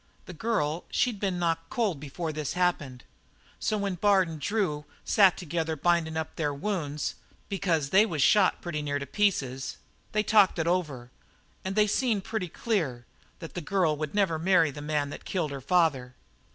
"The girl, she'd been knocked cold before this happened. So while Bard and Drew sat together bindin' up each other's wounds because they was shot pretty near to pieces they talked it over and they seen pretty clear that the girl would never marry the man that had killed her father.